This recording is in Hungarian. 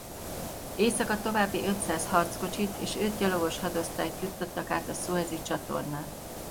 Éjszaka további ötszáz harckocsit és öt gyalogoshadosztályt juttattak át a Szuezi-csatornán.